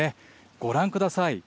ご覧ください。